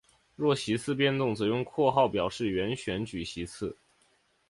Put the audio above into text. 若席次变动则用括号表示原选举席次。